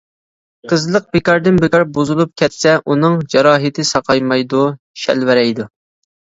قىزلىق بىكاردىن بىكار بۇزۇلۇپ كەتسە ئۇنىڭ جاراھىتى ساقايمايدۇ، شەلۋەرەيدۇ.